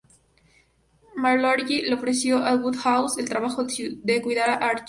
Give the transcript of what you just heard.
Malory le ofreció a Woodhouse el trabajo de cuidar a Archer.